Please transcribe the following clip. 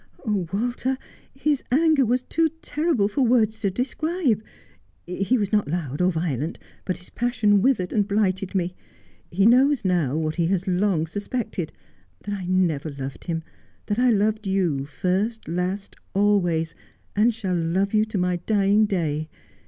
Oh, Walter, his anger was too terrible for words to describe. He was not loud or violent, but his passion withered and blighted me. He knows now, what he has long suspected that I never loved him, that I loved you first, last, always, and shall love you to my dying day.